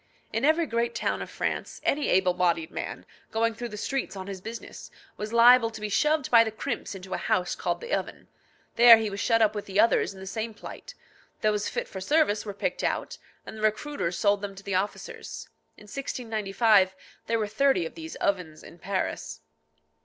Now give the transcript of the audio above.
In every great town of France, any able bodied man, going through the streets on his business, was liable to be shoved by the crimps into a house called the oven. There he was shut up with others in the same plight; those fit for service were picked out, and the recruiters sold them to the officers. In 1695 there were thirty of these ovens in Paris.